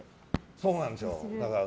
そうなんですよ。